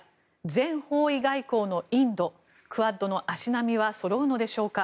全方位外交のインドクアッドの足並みはそろうのでしょうか？